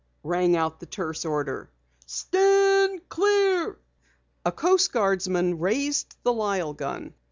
rang out the terse order. "Stand clear!" A Coast Guardsman raised the Lyle gun.